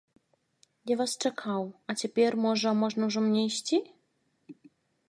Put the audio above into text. Я вас чакаў, а цяпер, можа, можна ўжо мне ісці?